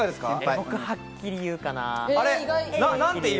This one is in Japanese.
僕ははっきり言うかな。